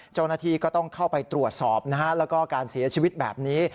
เจ้าหน้าที่ก็ต้องเข้าไปตรวจสอบนะฮะแล้วก็การเสียชีวิตแบบนี้